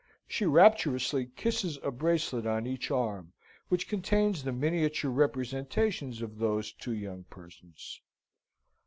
(She rapturously kisses a bracelet on each arm which contains the miniature representations of those two young persons.)